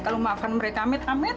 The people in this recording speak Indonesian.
kalau makan mereka amit amit